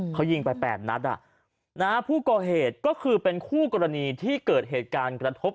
เขายิงไป๘นัดผู้ก่อเหตุก็คือเป็นคู่กรณีที่เกิดเหตุการณ์กระทบ